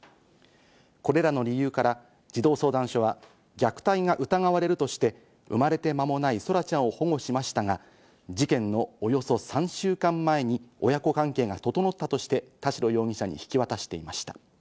これらの理由から児童相談所は虐待が疑われるとして生まれて間もない空来ちゃんを保護しましたが、事件のおよそ３週間前に親子関係が整ったとして田代容疑者に引き渡していました。